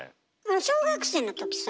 小学生のときさ